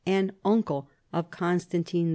and uncle of Constantine YI.